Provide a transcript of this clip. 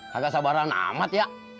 kagak sabaran amat ya